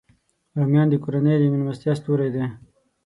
رومیان د کورنۍ د میلمستیا ستوری دی